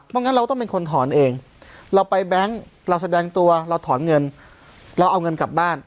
เพราะงั้นเราต้องเป็นคนถอนเองเราไปแบงค์เราแสดงตัวเราถอนเงินเราเอาเงินกลับบ้าน